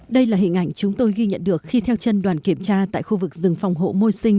đây là hình ảnh chúng tôi ghi nhận được khi theo chân đoàn kiểm tra tại khu vực rừng phòng hộ môi sinh